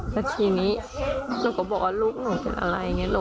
แต่ทีนี้หนูก็บอกว่าลูกหนูเป็นอะไรอย่างนี้